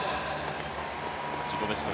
自己ベスト